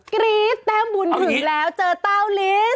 กรี๊ดแต้มบุญถึงแล้วเจอเต้าลิส